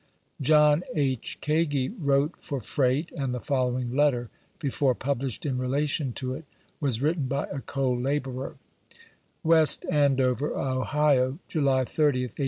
John H. Kagi wrote for freight, and the following letter, before published in relation to it, was written by a co laborer : West Ahdoveb, Ohio, July 30tb, 1859.